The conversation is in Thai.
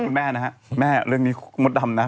คุณแม่นะฮะแม่เรื่องนี้มดดำนะ